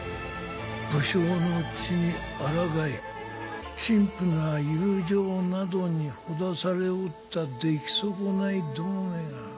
武将の血にあらがい陳腐な友情などにほだされおった出来損ないどもめが。